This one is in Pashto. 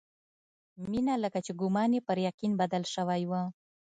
مينه لکه چې ګومان يې پر يقين بدل شوی و.